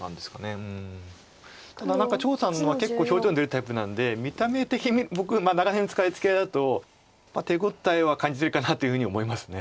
ただ何か張栩さんのは結構表情に出るタイプなんで見た目的に僕長年のつきあいだと手応えは感じてるかなというふうに思います。